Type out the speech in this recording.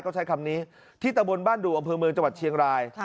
ก็ใช้คำนี้ที่ตะบนบ้านดูอำเภอเมืองจังหวัดเชียงราย